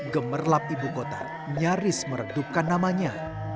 gemerlap ibu kota nyaris meredupkan namanya